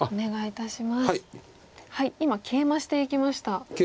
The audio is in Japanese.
今ケイマしていきました。